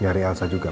nyari elsa juga pa